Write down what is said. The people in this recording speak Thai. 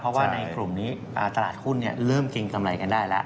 เพราะว่าในกลุ่มนี้ตลาดหุ้นเริ่มจริงกำไรกันได้แล้ว